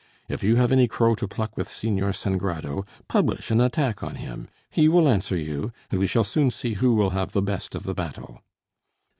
If you have any crow to pluck with Señor Sangrado, publish an attack on him; he will answer you, and we shall soon see who will have the best of the battle."